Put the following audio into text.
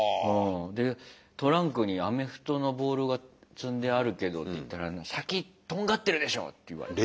で「トランクにアメフトのボールが積んであるけど」って言ったら「先とんがってるでしょ」って言われた。